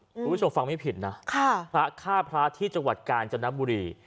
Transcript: คุณผู้ชมฟังไม่ผิดนะค่ะพระฆ่าพระที่จังหวัดกาญจนบุรี